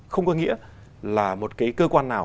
không có nghĩa là một cơ quan nào